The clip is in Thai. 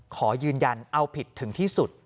ขอยืนยันเอาผิดถึงที่สุด